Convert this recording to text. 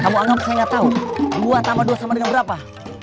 kamu anggap saya nggak tahu dua tambah dua sama dengan berapa